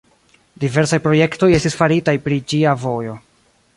Diversaj projektoj estis faritaj pri ĝia vojo.